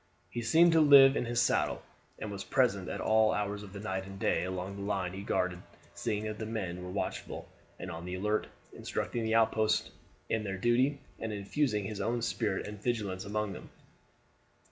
He seemed to live in his saddle, and was present at all hours of the night and day along the line he guarded seeing that the men were watchful and on the alert, instructing the outposts in their duty, and infusing his own spirit and vigilance among them.